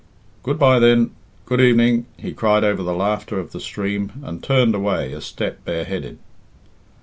"Good bye, then; good evening," he cried over the laughter of the stream, and turned away a step bareheaded.